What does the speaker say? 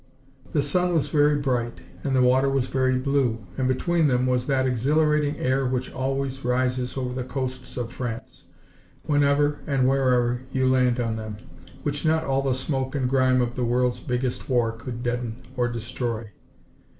The sun was very bright and the water was very blue, and between them was that exhilarating air which always rises over the coasts of France, whenever and wherever you land on them, which not all the smoke and grime of the world's biggest war could deaden or destroy.